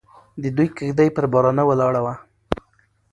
د دوی کږدۍ پر بارانه ولاړه وه.